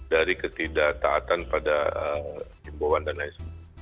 dari ketidak taatan pada imbauan dan lain sebagainya